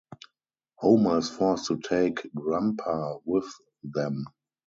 Homer is forced to take Grampa with them.